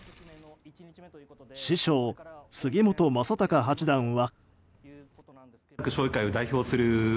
師匠、杉本昌隆八段は。